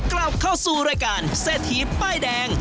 กลับเข้าสู่รายการเศรษฐีป้ายแดง